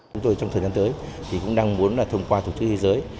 chúng tôi trong thời gian tới cũng đang muốn thông qua thủ tướng thế giới